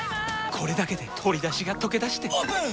これだけで鶏だしがとけだしてオープン！